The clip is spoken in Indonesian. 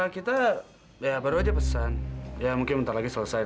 kita baru saja pesan mungkin nanti selesai